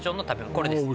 これですあ